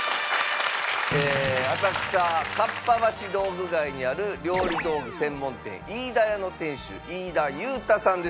浅草かっぱ橋道具街にある料理道具専門店飯田屋の店主飯田結太さんです。